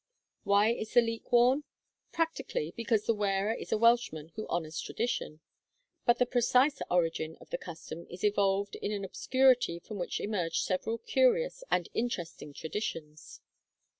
Why is the leek worn? Practically, because the wearer is a Welshman who honours tradition. But the precise origin of the custom is involved in an obscurity from which emerge several curious and interesting traditions.